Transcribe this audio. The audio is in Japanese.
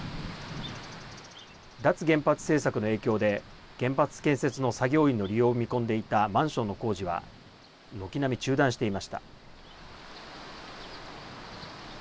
脱原発政策の影響で原発建設の作業員の利用を見込んでいたマンションの工事は軒並み中断していました。